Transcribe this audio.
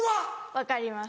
分かります。